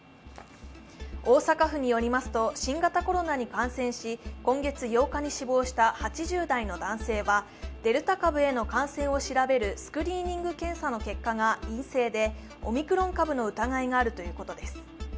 大阪府によりますと新型コロナに感染し今月８日に死亡した８０代の男性は、デルタ株への感染を調べるスクリーニング検査の結果が陰性でオミクロン株の疑いがあるということです。